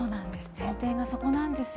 前提がそこなんですよね。